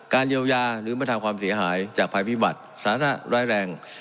เยียวยาหรือมาทำความเสียหายจากภัยพิบัติสาธารณะร้ายแรง